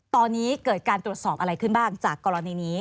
ตอนนี้เกิดการตรวจสอบอะไรขึ้นบ้างจากกรณีนี้